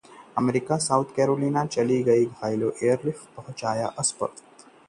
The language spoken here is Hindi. अमेरिका: साउथ कैरोलिना के स्कूल में चली गोलियां, घायलों को एयरलिफ्ट कर पहुंचाया अस्पताल